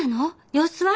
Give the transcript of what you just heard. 様子は？